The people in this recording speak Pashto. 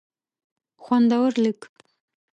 خوندور لیک